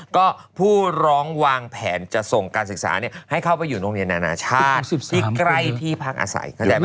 ก็ผู้ร้องวางแผนจะส่งการศึกษาเนี่ยให้เข้าไปอยู่โรงเรียนอนาชาติที่ใกล้ที่พักอาศัย